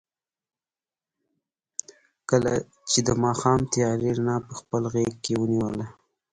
چې د ماښام تیارې رڼا په خپل غېږ کې ونیوله.